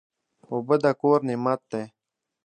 اوبه د کور نعمت دی.